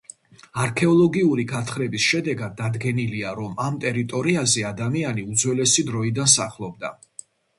არქეოლოგიური გათხრების შედეგად დადგენილია, რომ ამ ტერიტორიაზე ადამიანი უძველესი დროიდან სახლობდა.